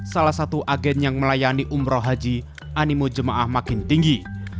salah satu agen yang melayani umroh haji animo jemaah makin tinggi